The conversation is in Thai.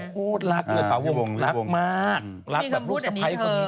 พูดรักเลยป่ะรักมากรักแบบลูกสะพ้ายคนนี้มากนี่คำพูดแบบนี้เธอ